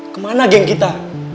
kemana geng kita